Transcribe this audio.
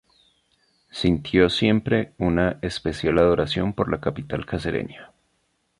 Sintió siempre una especial adoración por la capital cacereña.